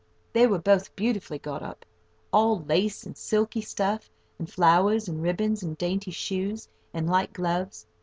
They were both beautifully got up—all lace and silky stuff, and flowers, and ribbons, and dainty shoes, and light gloves.